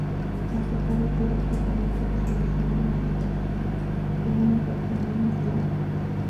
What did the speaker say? Al tocar en directo permite visualizar una distorsión con un efecto muy natural.